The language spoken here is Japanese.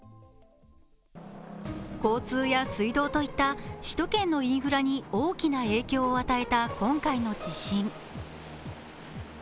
交通や水道といった首都圏のインフラに大きな影響を与えた今回の地震。